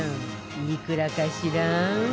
いくらかしら？